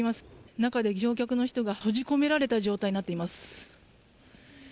中で乗客の人が閉じ込められた状態になっています。